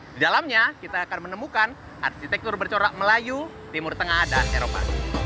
di dalamnya kita akan menemukan arsitektur bercorak melayu timur tengah dan eropa